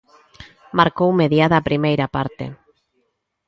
Marcou mediada a primeira parte.